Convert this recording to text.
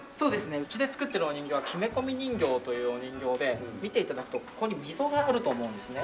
うちで作ってるお人形は木目込人形というお人形で見て頂くとここに溝があると思うんですね。